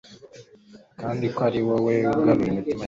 kandi ko ari wowe ugarura imitima yabo